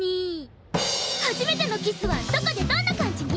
初めてのキスはどこでどんな感じに？